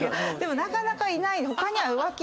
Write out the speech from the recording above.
なかなかいない。